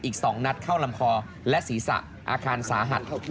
อีก๒นัดเข้าลำคอและศีรษะอาการสาหัส